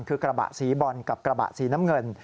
คือกระบะสีบอลกับกระบะสีน้ำเงิน